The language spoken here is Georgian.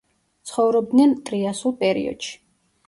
ცხოვრობდნენ ტრიასულ პერიოდში.